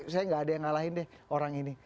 saya gak ada yang ngalahin deh orang ini